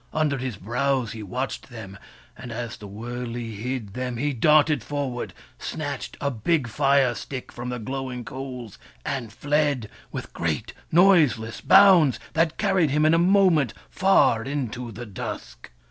Under his brows he watched them ; and as the wurley hid them, he darted forward, snatched a big lire stick from the glowing coals, and fled, with great noiseless bounds that carried him in a moment far into the dusk.